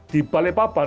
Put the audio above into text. di balai papan